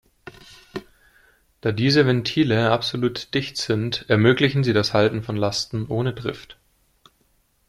Da diese Ventile absolut dicht sind, ermöglichen sie das Halten von Lasten ohne Drift.